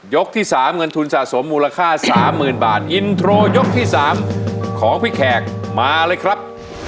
ยกที่สามเงินทุนสะสมมูลค่าสามหมื่นบาทยกที่สามของพี่แขกมาเลยครับ